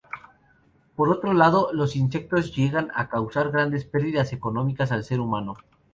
Por otro lado los insectos llegan a causar grandes perdidas económicas al ser humano.